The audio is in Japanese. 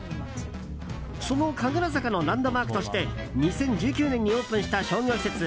その神楽坂のランドマークとして２０１９年にオープンした商業施設